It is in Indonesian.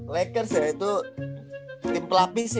lakers ya itu tim pelapis ya